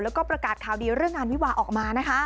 แล้วก็ประกาศข่าวดีเรื่องงานวิวาออกมานะคะ